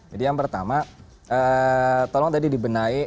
jadi yang pertama tolong tadi dibenahi